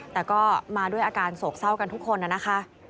แต่ก็มาด้วยอาการโศกเศร้ากันทุกคนนะคะ